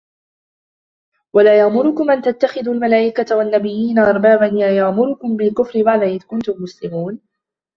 وَلَا يَأْمُرَكُمْ أَنْ تَتَّخِذُوا الْمَلَائِكَةَ وَالنَّبِيِّينَ أَرْبَابًا أَيَأْمُرُكُمْ بِالْكُفْرِ بَعْدَ إِذْ أَنْتُمْ مُسْلِمُونَ